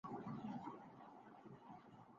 تو بچ نکلے۔